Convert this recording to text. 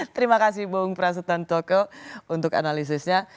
terima kasih bu presiden toko untuk analisisnya